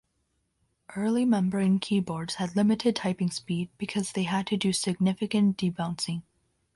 Early membrane keyboards had limited typing speed because they had to do significant debouncing.